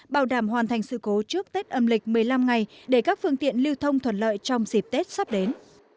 bảo đảm hoàn thành sự cố trước tết âm lịch một mươi năm ngày để các phương tiện lưu thông thuận lợi trong dịp tết sắp đến